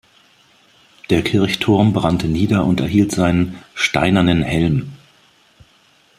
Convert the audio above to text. Der Kirchturm brannte nieder und erhielt seinen "steinernen Helm".